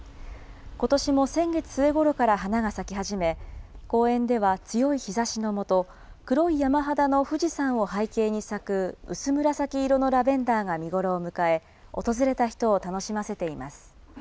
ことしも先月末ごろから花が咲き始め、公園では強い日ざしのもと、黒い山肌の富士山を背景に咲く薄紫色のラベンダーが見頃を迎え、訪れた人を楽しませています。